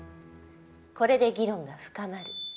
これで議論が深まる。